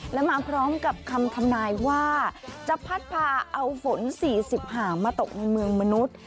และมาพร้อมกับคำทำนายว่าจะพัดพาเอาฝน๔๐หามาตกในเมืองมนุษย์